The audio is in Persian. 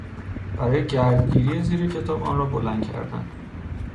برای گردگیری زیر کتاب آن را بلند کردن